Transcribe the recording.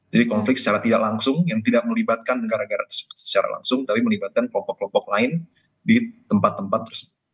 jadi konflik secara tidak langsung yang tidak melibatkan negara negara secara langsung tapi melibatkan kelompok kelompok lain di tempat tempat tersebut